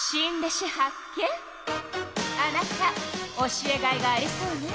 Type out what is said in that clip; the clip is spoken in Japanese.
あなた教えがいがありそうね。